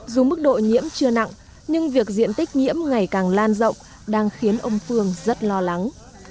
dù mức độ nhiễm chưa nặng nhưng việc diện tích nhiễm ngày càng lan rộng đang khiến ông phương rất lo lắng